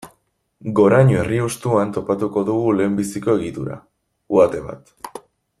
Goraño herri hustuan topatuko dugu lehenbiziko egitura, uhate bat.